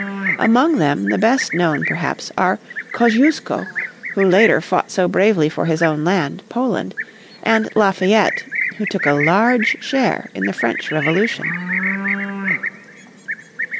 Among them the best known perhaps are Kosciuszko, who later fought so bravely for his own land, Poland; and Lafayette, who took a large share in the French Revolution.